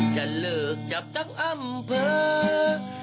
จะเลิกจับทั้งอำเภอ